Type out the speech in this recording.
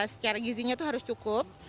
secara gizinya itu harus cukup